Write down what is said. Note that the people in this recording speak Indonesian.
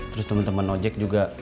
terus temen temen ojek juga